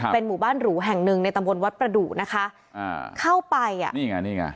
เป็นหมู่บ้านหรูแห่งหนึ่งในตำบลวัดประดุนะคะอ่าเข้าไปอ่ะนี่ไงนี่ไง